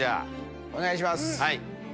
お願いします。